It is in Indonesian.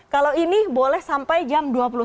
kalau ini boleh sampai jam dua puluh satu